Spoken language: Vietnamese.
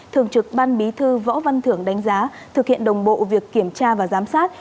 thường trực ban bí thư võ văn thưởng đánh giá thực hiện đồng bộ việc kiểm tra và giám sát